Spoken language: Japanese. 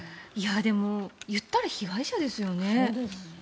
でも、言ったら被害者ですよね。